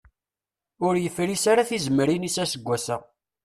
Ur yefris ara tizemmrin-is aseggas-a.